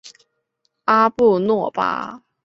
阿布诺巴。